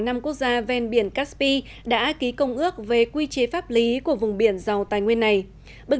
năm quốc gia ven biển kaspi đã ký công ước về quy chế pháp lý của vùng biển giàu tài nguyên này bước